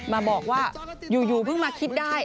มาบอกว่าอยู่เพิ่งมาคิดได้